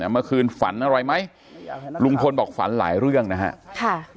เมื่อคืนฝันอะไรไหมลุงพลบอกฝันหลายเรื่องนะฮะ